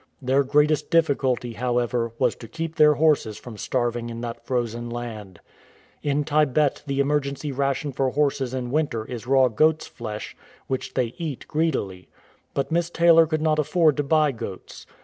Their greatest difficulty, how ever, was to keep their horses from starving in that frozen land. In Tibet the emergency ration for horses in winter is raw goafs flesh, which they eat greedily ; but Miss Taylor could not afford to buy goats.